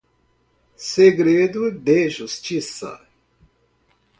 segredo de justiça